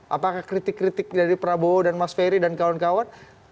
apakah kritik kritik dari prabowo dan mas ferry dan kawan kawan